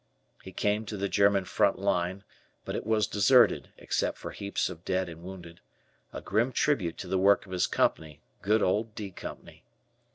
He came to the German front line, but it was deserted, except for heaps of dead and wounded a grim tribute to the work of his Company, good old "D" Company.